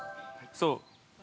◆そう。